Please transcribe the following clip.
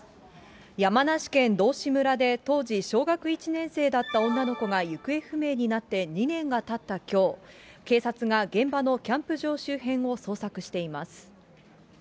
山梨県道志村で当時小学１年生だった女の子が行方不明になって２年がたったきょう、警察が現場のキャンプ場周辺を捜索しています。